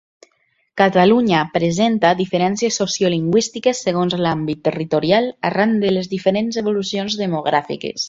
Catalunya presenta diferències sociolingüístiques segons l'àmbit territorial, arran de les diferents evolucions demogràfiques.